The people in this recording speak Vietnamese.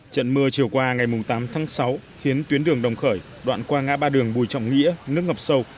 trận mưa chiều qua ngày tám tháng sáu khiến tuyến đường đồng khởi đoạn qua ngã ba đường bùi trọng nghĩa nước ngập sâu